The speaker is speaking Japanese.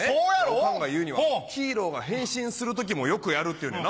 おかんが言うには「ヒーローが変身する時もよくやる」って言うねんな。